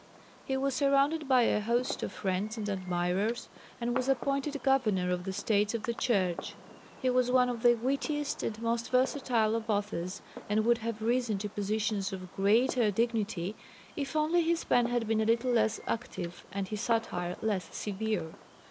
He was surrounded by a host of friends and admirers, and was appointed Governor of the States of the Church. He was one of the wittiest and most versatile of authors, and would have risen to positions of greater dignity, if only his pen had been a little less active and his satire less severe.